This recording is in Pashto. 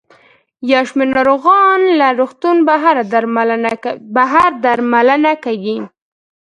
یو شمېر ناروغان له روغتون بهر درملنه کیږي.